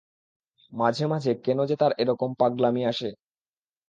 মাঝে মাঝে কেন যে তার এরকম পাগলামি আসে।